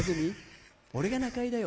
俺が中居だよ！